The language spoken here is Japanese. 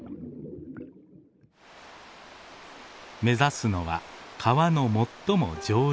目指すのは川の最も上流。